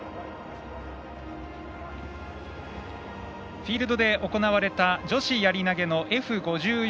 フィールドで行われた女子やり投げのＦ５４